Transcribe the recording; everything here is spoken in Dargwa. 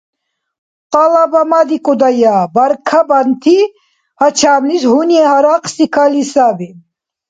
КъалабамадикӀудая, баркабанти, гьачамлис гьуни гьарахъси кали саби…